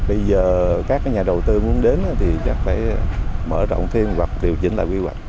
bây giờ các nhà đầu tư muốn đến thì chắc phải mở rộng thêm hoặc điều chỉnh lại quy hoạch